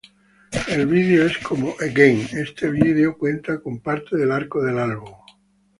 El video es como "Again", este video cuenta con parte del arco del álbum.